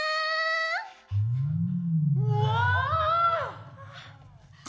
うわ！